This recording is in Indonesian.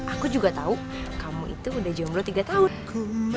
aku juga tahu kamu itu udah jomblo tiga tahun